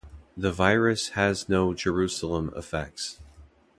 The virus has no Jerusalem effects.